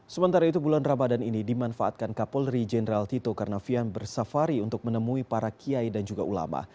sementara itu bulan ramadan ini dimanfaatkan kapolri jenderal tito karnavian bersafari untuk menemui para kiai dan juga ulama